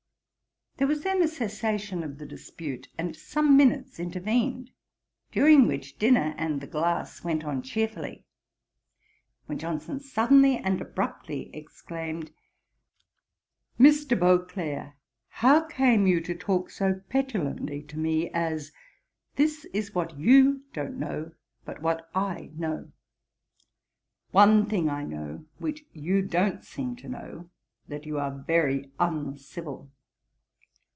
There was then a cessation of the dispute; and some minutes intervened, during which, dinner and the glass went on cheerfully; when Johnson suddenly and abruptly exclaimed, 'Mr. Beauclerk, how came you to talk so petulantly to me, as "This is what you don't know, but what I know"? One thing I know, which you don't seem to know, that you are very uncivil.'